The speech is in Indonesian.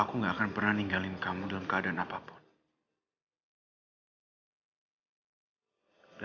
kalau aku gak akan pernah ninggalin kamu dalam keadaan apa apa aku akan tinggal di rumah kamu ya